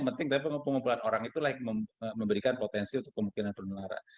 penting pengumpulan orang itu memberikan potensi untuk kemungkinan penularan